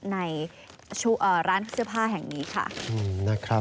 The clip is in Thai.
ในร้านเสื้อผ้าแห่งนี้ค่ะ